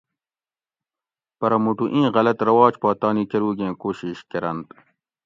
پرہ موٹو ایں غلط رواج پا تانی کروگیں کوشش کرنت